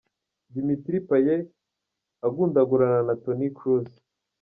Dimitri Payet agundagurana na Tony Kroos.